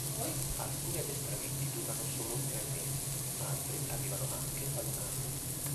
Alcuni addestramenti durano solo tre mesi, altri arrivano anche ad un anno.